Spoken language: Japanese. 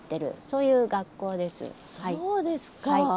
そうですか。